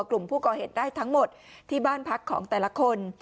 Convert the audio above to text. กลุ่มผู้ก่อเหตุได้ทั้งหมดที่บ้านพักของแต่ละคน